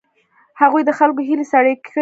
هغوی د خلکو هیلې سړې کړې.